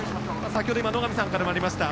先ほど、野上さんからもありました